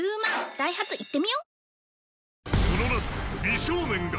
ダイハツ行ってみよ！